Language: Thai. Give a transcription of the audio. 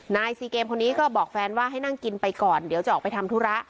ซีเกมคนนี้ก็บอกแฟนว่าให้นั่งกินไปก่อนเดี๋ยวจะออกไปทำธุระ